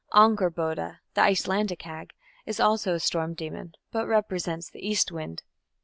Angerboda, the Icelandic hag, is also a storm demon, but represents the east wind.